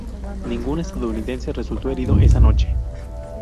Ningún estadounidense resultó herido esa noche.